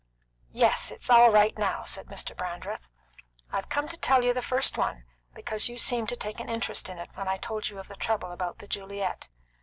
"Yes, it's all right now," said Mr. Brandreth. "I've come to tell you the first one, because you seemed to take an interest in it when I told you of the trouble about the Juliet.